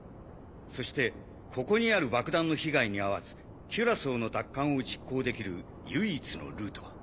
そしてここにある爆弾の被害に遭わずキュラソーの奪還を実行できる唯一のルートは。